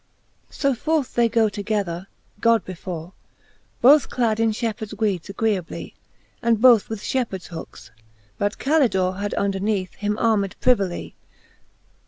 So forth they goe together (God before) Both clad in fhepheards weeds agreeably, And both with fhepheards hookes : But Calidore Had, underneath, him armed privily.